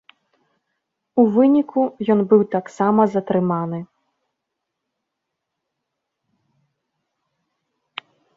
У выніку, ён быў таксама затрыманы.